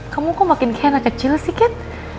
kamu kok makin kayak anak kecil sih cat